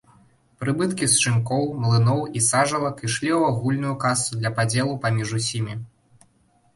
Прыбыткі з шынкоў, млыноў і сажалак ішлі ў агульную касу для падзелу паміж усімі.